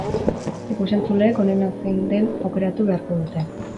Ikus-entzuleek onena zein den aukeratu beharko dute.